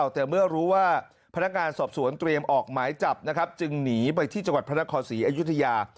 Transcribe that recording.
แต่เมื่อรู้ว่าพนักงานสอบสวนเตรียมออกหมายจับนะครับจึงหนีไปที่จังหวัดพระนครศรีอยุธยา